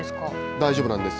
大丈夫なんです。